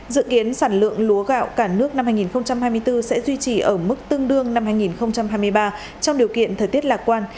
dự kiến sản lượng lúa gạo cả nước năm hai nghìn hai mươi bốn sẽ duy trì ở mức tương đương năm hai nghìn hai mươi ba trong điều kiện thời tiết lạc quan